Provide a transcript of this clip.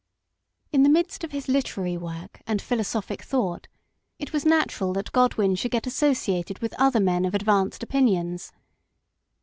In the midst of his literary work and philosophic thought, it was natural that Godwin should get asso ciated with other men of advanced opinions.